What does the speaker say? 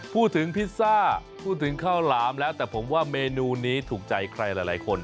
พิซซ่าพูดถึงข้าวหลามแล้วแต่ผมว่าเมนูนี้ถูกใจใครหลายคน